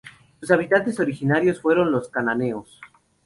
Sus habitantes originarios fueron los cananeos.